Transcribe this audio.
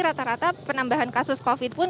rata rata penambahan kasus covid pun